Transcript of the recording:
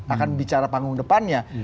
akan bicara panggung depannya